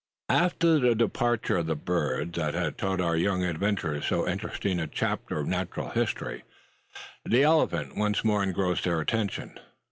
After the departure of the bird, that had taught our young adventurers so interesting a chapter of natural history, the elephant once more engrossed their attention.